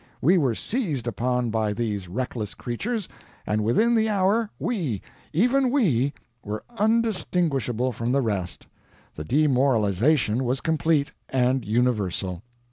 We were seized upon by these reckless creatures, and within the hour we, even we, were undistinguishable from the rest the demoralization was complete and universal.